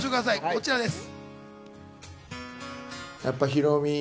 こちらです。